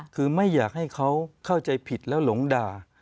คือไม่อยากให้เขาเข้าใจผิดแล้วหลงด่า